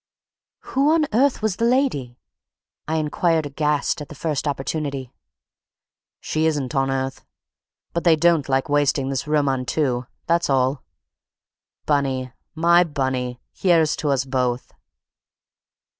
"Who on earth was the lady?" I inquired aghast at the first opportunity. "She isn't on earth. They don't like wasting this room on two, that's all. Bunny—my Bunny—here's to us both!"